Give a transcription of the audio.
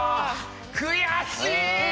悔しい！